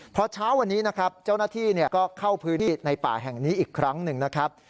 พอเช้าวันนี้นะครับเจ้าหน้าที่ก็เข้าพื้นที่ในป่าแห่งนี้อีกครั้งหนึ่งนะครับ